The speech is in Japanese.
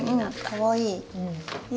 かわいい。